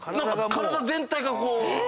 体全体がこう。